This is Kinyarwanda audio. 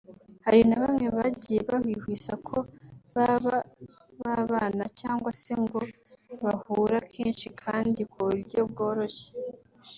Hari na bamwe bagiye bahwihwisa ko baba babana cyangwa se ngo bahura kenshi kandi ku buryo bworoshye